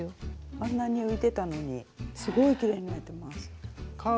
あんなに浮いてたのにすごいきれいに縫えてます。